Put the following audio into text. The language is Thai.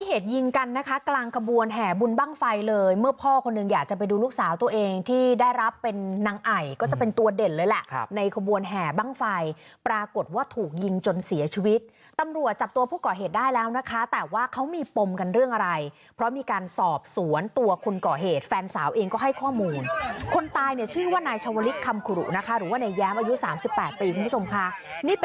เหตุยิงกันนะคะกลางกระบวนแห่บุญบ้างไฟเลยเมื่อพ่อคนหนึ่งอยากจะไปดูลูกสาวตัวเองที่ได้รับเป็นนางไอ่ก็จะเป็นตัวเด่นเลยแหละครับในกระบวนแห่บ้างไฟปรากฏว่าถูกยิงจนเสียชีวิตตำรวจจับตัวผู้ก่อเหตุได้แล้วนะคะแต่ว่าเขามีปมกันเรื่องอะไรเพราะมีการสอบสวนตัวคุณก่อเหตุแฟนสาวเองก็ให้ข้อมูลคนต